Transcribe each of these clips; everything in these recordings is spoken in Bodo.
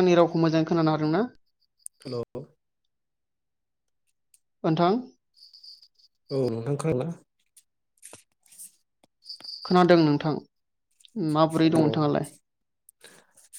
आंनि रावखौ मोजाङै खोनानो हादोंना। हेल' औ नोंथां औ नोंथां खोनादों खोनादों नोंथां माबोरै दं औ नोंथाङालाय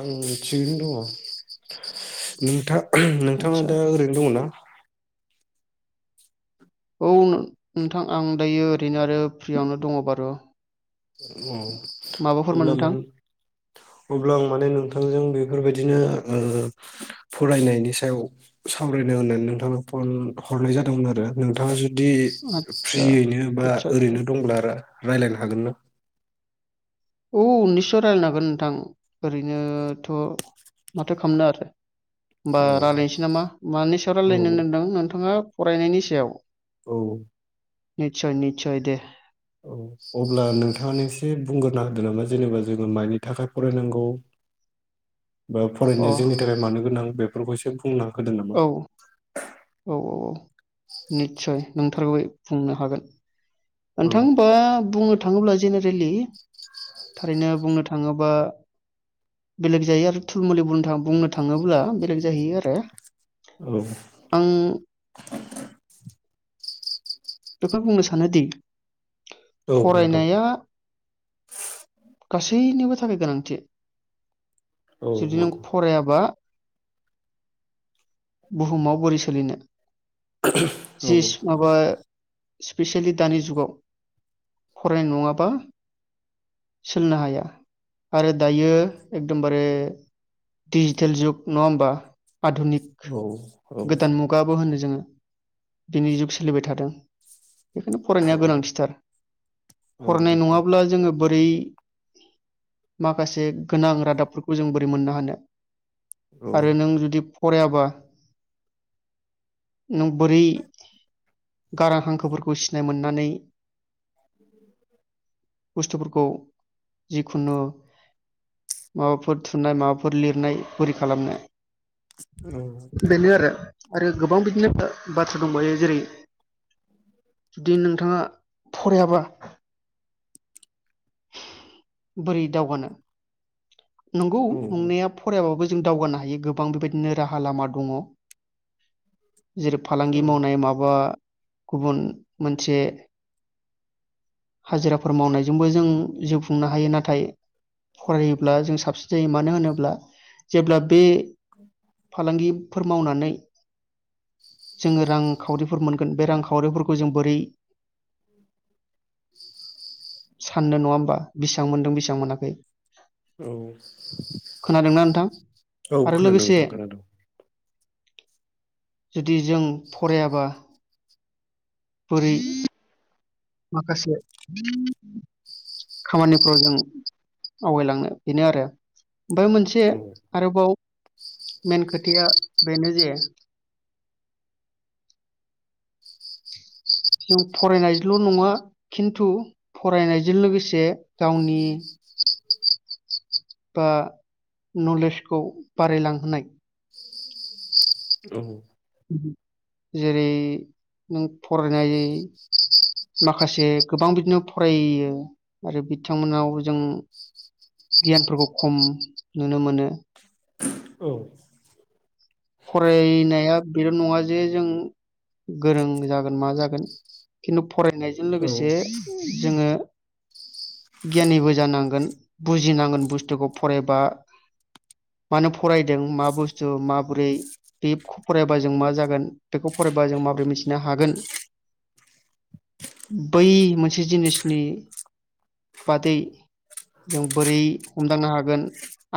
आं मिथिं दङ नोंथाङा नोंथाङा आदसा दा ओरैनो दङ ना औ नोंथां आं दायो ओरैनो आरो फ्रियावनो दङ बारु औ माबाफोरमोन अब्ला नोंथां माने अब्ला आं माने नोंथांजों बेफोरबायदि बिदिनो ओ फरायनायनि सायाव सावरायनो होननानै नोंथांनो फन हरनाय जादोंमोन आरो नोंथाङा जु बिदि आदसा फ्रियैनो बा आदसा आदसा। ओरैनो दंब्ला आरो रायज्लायनो हागोन न औ उनैसस' रायल्लायनो हागोन नोंथां ओरैनोथ' माथो खालामनो आरो होमबा औ रायज्लायनोसै नामा मानि सायाव औ रायज्लायनो नोदों नोंथाङा फरायनायनि सायाव औ निसय निसय दे औ अब्ला नोंथाङा एसे बुंग्रोना होदो नामा जेनेबा जोङो माइनि थाखाय फरायनांगौ बा अ फरायनाया जोंनि थाखाय मानो गोनां बे [unintelligible] औ औ औ औ निस्सय नोंथारगौ बुंनो हागोन औ नोंथांबा बुङो थाङोब्ला जेनेरेलि थारैनो बुंनो थाङोबा बेलेक जायो आरो थुलमुलि बुं बुंनो थाङोब्ला बेलेग जाहैयो आरो। आं औ बेखौ बुंनो सानोदि औ नोंथां फरायनाया गासैनिबो थाखाय गोनांथि औ जुदि नों नंगौ फरायाबा बुहुमुमाव बोरै सोलिनो। औ जिस माबा स्पेसियेलि दानि जुगाव फरायनाय नङाबा सोलिनो हाया आरो दायो एकदमबारे डिजिटेल जुग नङा होमबा आधुनिक औ औ गोदान मुगाबो होनो‌ जोङो दिनि जुग सोलिबाय थादों। बेखायनो औ फरायनाया गोनांथिथार नंगौ फरायनाय नोंथां नङाब्ला जोङो बोरै माखासे गोनां रादाबफोरखौ जों बोरै मोननो हानो। औ आरो नों जुदि फ फरायाबा नों बोरै गारां हांखोफोरखौ सिनाय मोननानै [unintelligible] बुस्थुफोरखौ जिखुनु माबाफोर थुनाय माबाफोर लिरनाय बोरै खालामनो। बेनो आरो आरो गोबां बिदिनो बा-बाथ्रा दंबायो जेरै जुदि नोंथाङा फरायाबा बोरै दावगानो नंगौ नंनाया फरायाबाबो जों दावनो हायो गोबां बेबायदिनो रा लामा दङ'। जेरै- फालांगि औ मावनाय माबा गुबुन मोनसे हाजिराफोर मावनायजोंबो जों जिउ खुंनो हायो नाथाय फरायोब्ला जों साबसिन जायो मानो होनोब्ला जेब्ला बे फलांगि फोर मावनानै जोङो रांखावरिफोर मोन बे रांखावरिफोरखौ जों बोरै साननो नङा होमबा बेसां मोनदों बेसां मोनाखै औ खोनादोंना नोंथां औ आरो खोनादों लोगोसे नोंथां खोनादों जुदि जों फरायाबा बोरै माखासे खामानिफ्राव जों आवगायलांनो बेनो आरो ओमफाय मोनसे औ आरोबाव मेन खोथाया बेनो जे जों फरायनायज्ल' नङा खिन्थु फरायनायजों लोगोसे गावनि बा नलेजखौ बारायलांहोनाय। [unintelligible] औ। जेरै- नों फरायनाय माखासे गोबां बिदिनो फरायो आरो बिथांमोनाव जों गियानफोरखौ खम नुनो मोनो। औ फरायनाया बिल' नङा जे जों गोरों जागोन मा जागोन खिन्थु‌ फरायनायजों औ लोगोसे जोङो गियानिबो जानांगोन बुजिनांगोन बुस्थुखौ फरायबा मानो फरायदों मा बुस्थु मा गुरै देबख फरायबा जों मा जागोन बेखौ फरायबा जों माब्रै मिस नो हागोन। बै मोनसे जिनिसनि बादै जों बोरै हमदांनो हागोन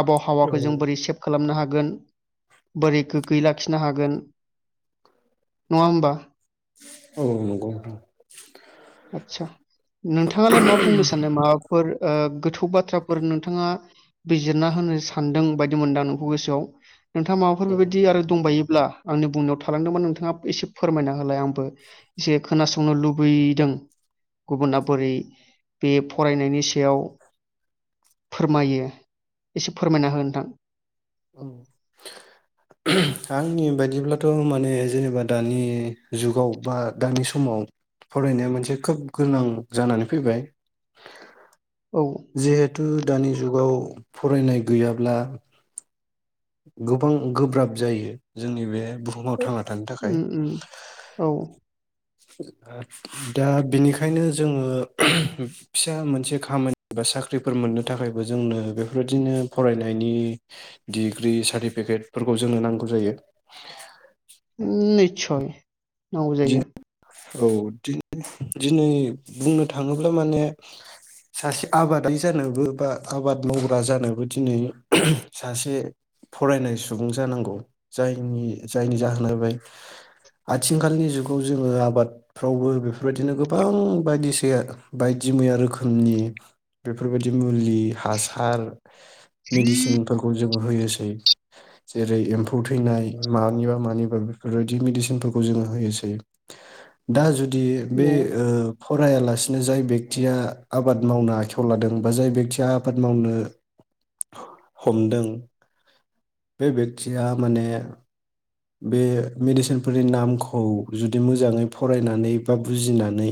आबहावाखौ जों नंगौ बोरै सेभ खालामनो हागोन। गोन। बोरै गोगोयै लाखिनो हागोन। नङा होमबा? औ नंगौ आतसा नोंथाङालाय मा बुंनो सानो माबाफोर ओ गोथौ बाथ्राफोर नोंथाङा बिजिरना होनो सानदों बायदि मोनदां नोंखौ गोसोआव। नोंथाङा माबाफोर बेबायदि आरो दंबायो! ब्ला आंनि बुंनायाव थालांदोंमोन नोंथाङा एसे फोरमायना होलाय आंबो एसे खोनासंनो लुबैदों। गुबुना बोरै बे फरायनायनि सायाव फोरमायो एसे फोरमायना हो नोंथां। ओम आंनि बायदिब्लाथ' माने जेनेबा दानि जुगाव बा दानि समाव फरायनाया मोनसे खोब गोनां जानानै फैबाय‌ औ जिहेतु दानि जुगाव फरायनाय गैयाब्ला गोबां गोब्राब जायो जोंनि बे बुहुमाव थांना थानो उम थाखाय। उम औ दा बिनिखायनो जोङो ओम फिसा मोनसे खामानि बा साख्रिफोर मोननो थाखायबो जोंनो बेफोरबायदिनो फरायनायनि डिग्रि सार्टिफिकेटफोरखौ जोंनो नांगौ जायो। उम नै सय नांगौ दि जायो। औ दि दिनै बुंनो थाङोब्ला माने सासे आबादारि जानोबो बा आबाद मावग्रा जानोबो दिनै सासे फरायनाय सुबुं जानांगौ जायनि जायनि जाहोना बे आथिखालनि जु जुगाव जोङो आबादफ्रावबो बेफोरबायदिनो गोबां बायदिसिया बायदि मैया रोखोमनि बेफोरबायदि मुलि हासार मेडिसिनफोरखौ जों होयोसै। जेरै एम्फौ थैनाय मानिबा मानिबा बेफोरबायदि मेदिसिनफोरखौ जोङो होयोसै। दा जुदि दि बे औ ओ फरायालासिनो जाय बेक्तिया आबाद मावनो आखायाव लादों बा जाय बेक्तिया आबाद मावनो हमदों बे बेक्तिया माने बे मेडिसिनफोरनि नामखौ जुदि मोजाङै फरायनानै बा बुजिनानै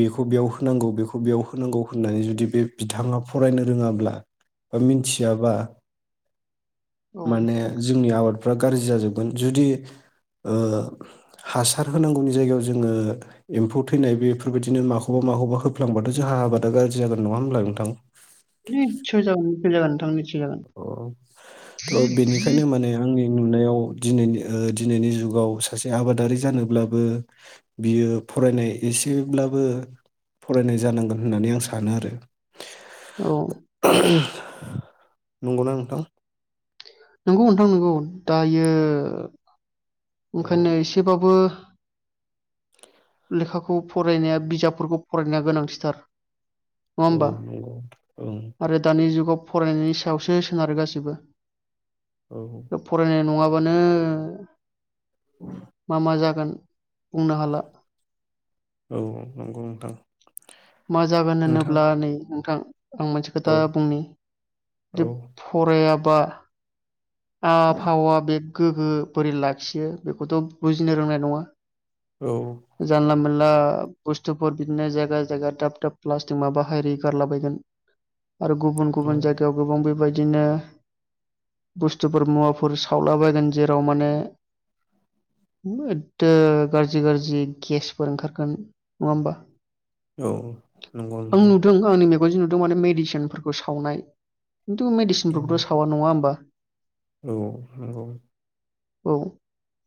बेखौ बेयाव होनांगौ बेखौ बेयाव होनांगौ होननानै जुदि बे बिथाङा फरायनो रोङाब्ला बा मिथियाबा औ माने जोंनि आबाद फ्रा गाज्रि जाजोब गोन जुदि ओ हासार होनांगौनि जायगायाव जोङो एम्फौ थैनाय बेफोरबायदिनो माखौबा माखौबा होफ्लांबाथ' जोंहा आबादा गाज्रि जागोन नङा होमब्लााय नोंथां? निस्सय जागोन निस्सय जागोन नोंथां बि अ थ' बेनिखायनो माने आंनि नुनायाव दिनैनि ओ दिनैनि जुगाव सासे आबादारि जानोब्लाबो बियो फरायनाय एसेब्लाबो फरायनाय जानांगोन होननानै आं सानो आरो। औ। [unintelligible] नंगौना नोंथां? नंगौ नोंथां नंगौ। दायो औ ओंखायनो एसेबाबो लेखाखौ फरायनाया बिजाबफोरखौ फरायनाया गोनांथिथार, नङा औ होनबा नंगौ ओं आरो दानि जुगाव फरायनायनि सायावसो सोनारो गासिबो औ फरायनाय नङाबा नो मा मा जागोन बुंनो हाला। औ नंगौ नोंथां। मा जागोन नोंथां होनोब्ला नै नों थां आं मोनसे खोथा औ बुंनि औ जे फराया बा आवा फावा बे गोगो बोरै लाखियो बेखौथ' बुजिनो रोंनाय नङा औ जानला मोनला बस्थुफोर बिदिनो जायगा जायगा दाब दाब प्लास्टिक माबा हारि गारलाबायगोन आरो गुबुन औ गुबुन जायगायाव गोबां बेबाय दिनो बुस्थुफोर मुवाफोर सावला बायगोन जेराव माने एददो गाज्रि गाज्रि गेसफोर ओंखारगोन नङा होमबा? औ नंगौ आं नोंथां। नुदों आंनि मेगनजों नुदों माने मेदिसिनफोरखौ सावनाय खिन्थु औ मेदिसिनफोरखौथ' सावा नङा होमबा? औ नंगौ। औ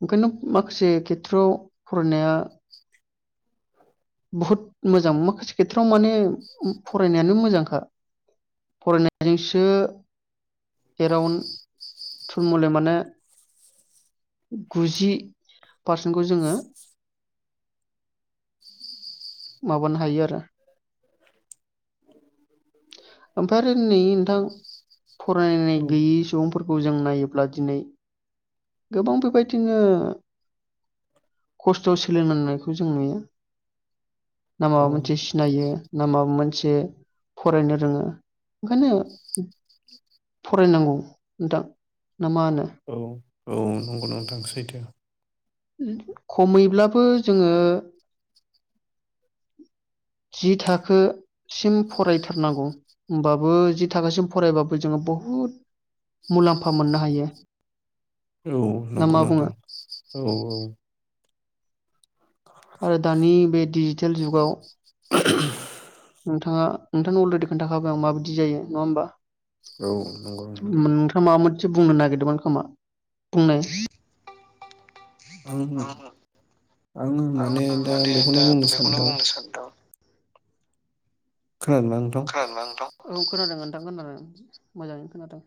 ओंखायनो माखासे खेथ्र'आव फरायनाया बहुत मोजां माखासे खेथ्रआव माने फरायनायानो मोजांखा, फरायनायजोंसो एरावन्ड थुलमुलै माने गुजि पारसेन्टखौ जोङो माबानो हायो आरो। ओमफ्राय आरो नै नोंथां फरायनाय औ गैयै सुबुंफोरखौ खौ जों नायोब्ला दिनै गोबां बेबायदिनो खस्थ' सोलिनांनायखौ जों नुयो। ना औ माबा मोनसे सिनायो ना माबा मोनसे फरायनो रोङो। ओंखायनो फरायनांगौ नोंथां ना मा होनो औ औ नंगौ नोंथां सैथो खमैब्लाबो जोङो जि थाखोसिम फरायथारनांगौ होमबाबो जि थाखोसिम फरायबाबो जोङो बहुद मुलाम्फा मोननो हायो औ ना नंगौ मा बुङो नोंथां औ- औ आरो दानि बे डिजिटेल जुगाव [unintelligible] नोंथांङा नोंथांनि अलरेडि खोन्थाखाबाय आं माबायदि जायो नङा औ नंगौ होमबा नोंथां मा मोनसे बुंनो नागिरदोंमोन खोमा बुंनाय आं आंङो माने दा बेखौनो बुंनो सानदों खोनादोंना नोंथां खोनादों ना नोंथां औ खोनादों [unintelligible] मोजांङैनो खोनादों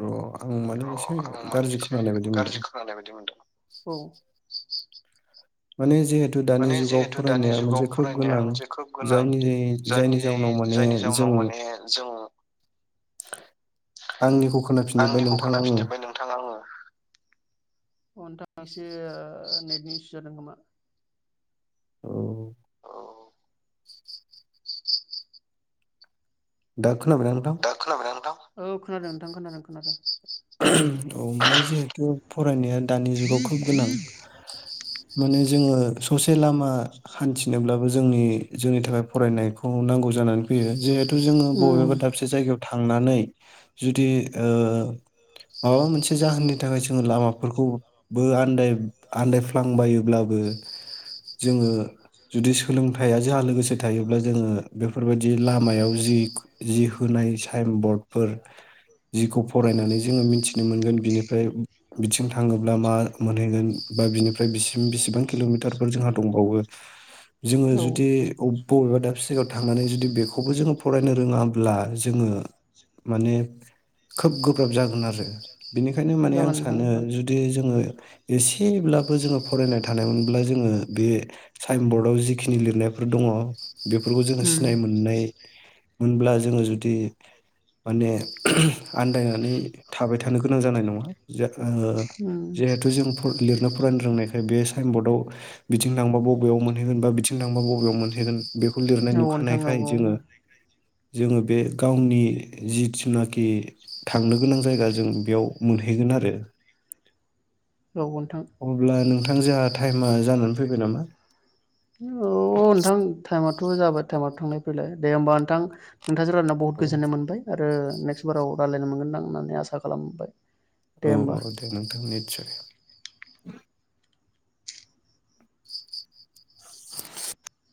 अ आं माने एसे गाज्रि खोनानाय बायदि मोनदों औ माने जे माने जिहेथु दानि जुगाव फरायनाया गोनां मोनसे खोब गोनां जायनि जायनि जाउनाव माने जायनि जाहोनाव जों माने जों आंनिखौ खोनाफिनजोबबाय नोंथांङा आंङो अ नोंथांङा एसे नेटनि इसु जादों खोमा औ अ दा खोनाबायना नोंथां दा खोनाबाय ना नोंथां औ खोनादों नोंथां खोनादों - खोनादों औ माने जिहेथु फरायनाया दानि जुगाव खोब गोनां माने जोङो ससे लामा हान्थिनोब्लाबो जोंनि - जोंनि थाखाय फरायनायखौ नांगौ जानानै फैयो जिहे जों उम बबेबा दाबसे जायगायाव थांनानै जुदि ओ माबा मोनसे जाहोननि थाखाय जोङो लामाफोरखौबो आन्दाय आन्दायफ्लांबायोब्लाबो जोङो जुदि सोलोंथाइया जोंहा लोगोसे थायोब्ला जोङो बेफोरबायदि लामायाव होनाय साइन बर्डफोर जिखौ फरायनानै मिथिनो मोनगोन बिनिफ्राय बिथिं थांङोब्ला मा मोनहैगोन बा बिनिफ्राय बेसि बिसिबां किलमिटारफोर जोंहा दंबावो जोङो औ जुदि अबेबा बबेबा दाबसे जायगायाव थांनानै जुदि बेखौबो जोङो फरायनो रोङाब्ला जोङो माने खोब गोब्राब जागोन नारो बिनिखायनो माने आं जागोन नोंथां सानो जागोन जुदि जोङो एसेब्लाबो जोङो फरायनाय थानायमोनब्ला जोङो बे साइन बर्डआव जिखिनि लिरनायफोर दङ। बेफोरखौ जोङो उम सिनाय मोननाय मोनब्ला जोङो जुदि माने आन्दायनानै थाबाय थानो गोनां जानाय नङा जा ओ उम जिहेथु जों फर लिरनो फरायनो रोंनायखाय बे साइन बरर्डआव बिथिं नांबा बबेयाव मोनहैगोन बा बिथिं नांबा बबयाव मोनहैगोन बेखौ लिरनाय औ नोंथां औ नुखानायखाय औ जोङो- जोङो बे गावनि जिथुनाखि थांनो गोनां जाय दा जों बेयाव मोनहैगोन आरो। औ नोंथां अब्ला नों थां जोंहा टाइमा जानानै फैबाय नामा? औ औ ओनथां टाइमाथ थ' जाबाय टाइमाव थांनाय फैलाय दे होमबा नोंथां। नोंथांजों रायलायना औ बहुथ गोजोननाय मोनबाय आ ओ नेक्स्ट बाराव रालायनो मोनगोनदां होननानै आसा खालामबाय। दे औ होमबा औ दे नोंथां मोनि [inaudible] [inaudible]